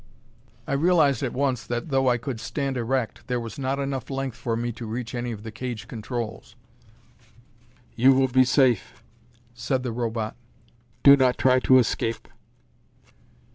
I realized at once that, though I could stand erect, there was not enough length for me to reach any of the cage controls. "You will be safe," said the Robot. "Do not try to escape."